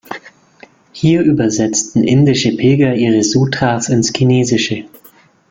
Hier übersetzten indische Pilger ihre Sutras ins Chinesische.